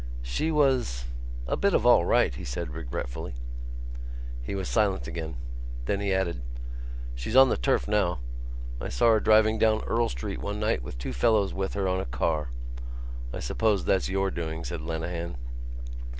"She was ... a bit of all right," he said regretfully. He was silent again. Then he added: "She's on the turf now. I saw her driving down Earl Street one night with two fellows with her on a car." "I suppose that's your doing," said Lenehan.